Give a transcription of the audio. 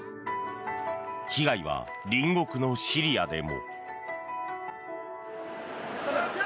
被害は隣国のシリアでも。